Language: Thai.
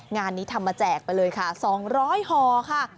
งานนี้ทำมาแจกไปเลยค่ะ๒๐๐ห่อค่ะ